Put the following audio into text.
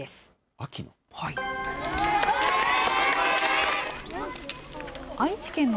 秋の？